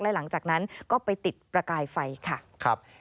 และหลังจากนั้นก็ไปติดประกายไฟค่ะ